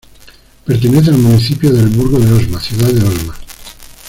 Pertenece al municipio de El Burgo de Osma-Ciudad de Osma.